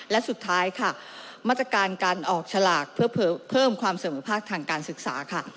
และสุดท้ายค่ะมาตรการการออกฉลากเพื่อเพิ่มความเสมอภาคทางการศึกษาค่ะ